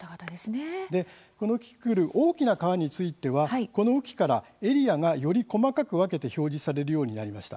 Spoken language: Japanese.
このキキクル、大きな川についてはこの雨期からエリアがより細かく分けて表示されるようになりました。